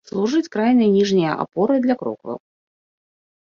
Служыць крайняй ніжняй апорай для крокваў.